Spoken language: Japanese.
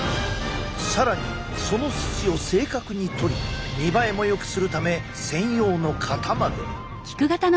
更にその筋を正確に取り見栄えもよくするため専用の型まで。